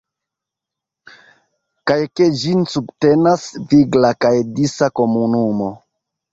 Kaj ke ĝin subtenas vigla kaj disa komunumo.